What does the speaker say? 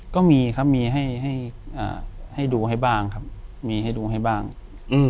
ก็มีครับมีให้ให้อ่าให้ให้ดูให้บ้างครับมีให้ดูให้บ้างอืม